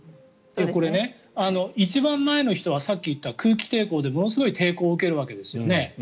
これね、一番前の人はさっき言った空気抵抗でものすごい抵抗を受けるわけですよね。